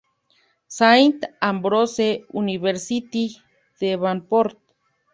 Saint Ambrose University, Davenport